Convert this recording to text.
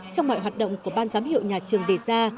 trong mọi hoạt động của ban giám hiệu nhà trường đề ra